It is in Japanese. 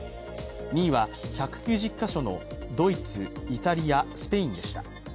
２位は、１９０か所のドイツ、イタリア、スペインでした。